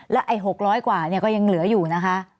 ไอ้๖๐๐กว่าก็ยังเหลืออยู่นะคะ